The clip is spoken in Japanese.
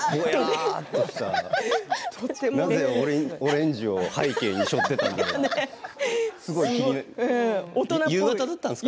なぜ、オレンジを背景にしょっていたんでしょうか。